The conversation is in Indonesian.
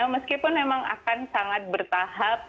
meskipun memang akan sangat bertahap